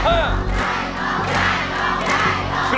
โทษให้โทษให้โทษให้โทษให้โทษให้